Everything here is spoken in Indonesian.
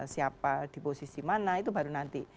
siapa di posisi mana itu baru nanti